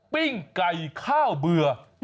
ปิ้งไก่ข้าวเบื่อ